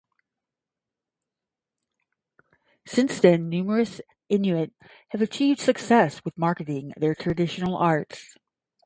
Since then, numerous Inuit have achieved success with marketing their traditional arts.